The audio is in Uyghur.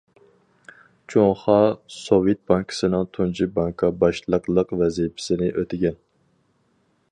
جۇڭخۇا سوۋېت بانكىسىنىڭ تۇنجى بانكا باشلىقلىق ۋەزىپىسىنى ئۆتىگەن.